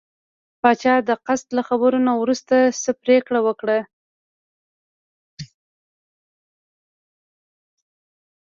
پاچا د قاصد له خبرو نه وروسته څه پرېکړه وکړه.